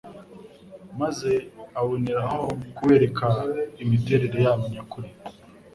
maze aboneraho kubereka imiterere yabo nyakuri